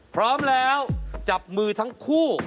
พร้อมแล้วจับมือทั้งคู่